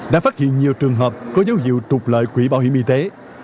đã phát hiện nhiều trường hợp có dấu hiệu trục lợi quỹ bảo hiểm y tế